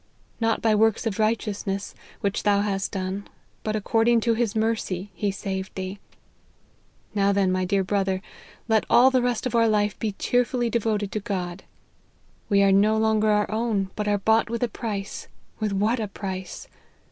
' Not by works of righteousness which thou hast done, but according to his mercy he saved thee.' Now then, my dear brother, let all the rest of our life be cheerfully devoted to God. We are no longer ourown, but are bought with a 32 LIFE OF HENRY MARTYN. price with what a price